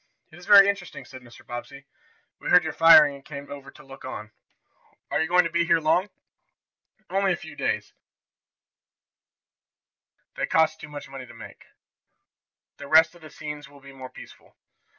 "It is very interesting," said Mr. Bobbsey. "We heard your firing and came over to look on. Are you going to be here long?" "Only a few days. But there will be no more battle pictures. They cost too much money to make. The rest of the scenes will be more peaceful."